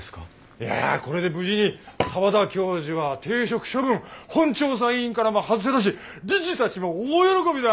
いやこれで無事に澤田教授は停職処分本調査委員からも外れたし理事たちも大喜びだ。